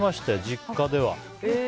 実家では。